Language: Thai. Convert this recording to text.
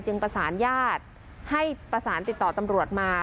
ประสานญาติให้ประสานติดต่อตำรวจมา